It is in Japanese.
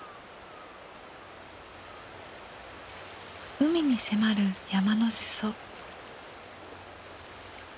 海に迫る山の裾。